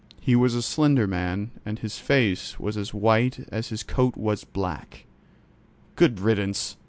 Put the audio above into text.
He was a slender man, and his face was as white as his coat was black. "Good riddance!"